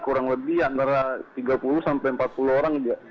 kurang lebih antara tiga puluh sampai empat puluh orang